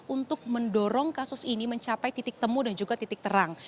untuk mendorong kasus ini mencapai titik temu dan juga titik terang